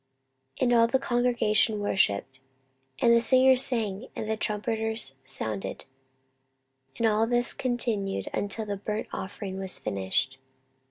14:029:028 And all the congregation worshipped, and the singers sang, and the trumpeters sounded: and all this continued until the burnt offering was finished.